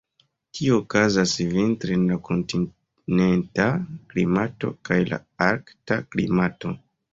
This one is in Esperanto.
Tio okazas vintre en la kontinenta klimato kaj la arkta klimato.